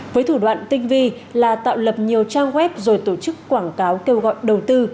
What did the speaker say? với thủ đoạn tinh vi là tạo lập nhiều trang web rồi tổ chức quảng cáo kêu gọi đầu tư